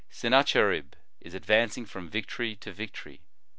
Sennacherib is advancing from victory to victory.